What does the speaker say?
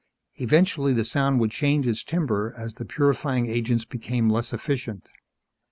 Eventually the sound would change its timbre as the purifying agents became less efficient.